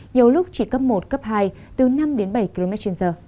nhiều lúc chỉ cấp một cấp hai từ năm đến bảy km trên giờ